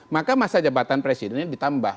maka masa jabatan presidennya ditambah